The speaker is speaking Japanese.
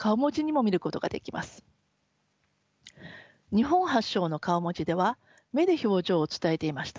日本発祥の顔文字では目で表情を伝えていました。